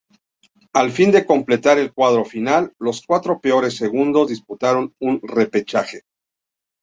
A fin de completar el cuadro final, los cuatro peores segundos disputaron un repechaje.